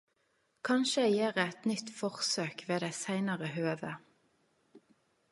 Kanskje eg gjer eit nytt forsøk ved eit seinare høve.